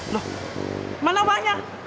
loh mana banyak